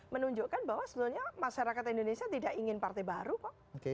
menunjukkan bahwa sebenarnya masyarakat indonesia tidak ingin partai baru kok